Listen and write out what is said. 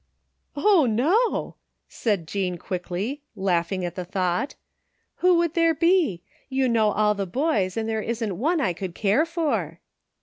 "" Oh, no !" said Jean quickly, laughing at the thought. " Who would there be ? You know all the boys, and there isn't one I could care for."